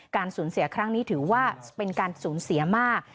สูญเสียครั้งนี้ถือว่าเป็นการสูญเสียมาก